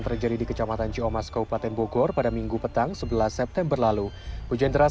terjadi di kecamatan ciomas kabupaten bogor pada minggu petang sebelas september lalu hujan deras